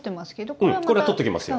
これは取っておきますよ。